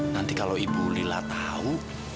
nanti kalau ibu lila tahu